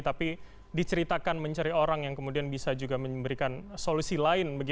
tapi diceritakan mencari orang yang kemudian bisa juga memberikan solusi lain